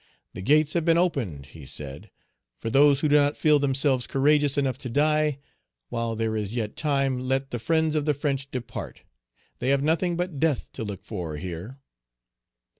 "The gates have been opened," he said, "for those who do not feel themselves courageous enough to die; while there is yet time, let the friends of the French depart; they have nothing but death to look for here."